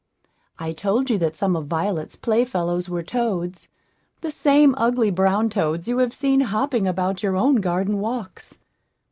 I told you that some of Violet's playfellows were toads the same ugly brown toads you have seen hopping about your own garden walks.